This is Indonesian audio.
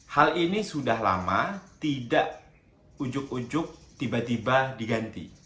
hal ini sudah lama tidak ujuk ujuk tiba tiba diganti